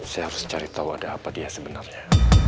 saya harus cari tahu ada apa dia sebenarnya